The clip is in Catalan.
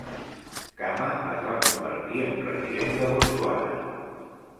Khama es va convertir en president de Botswana.